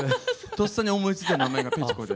とっさに思いついた名前がぺちこで。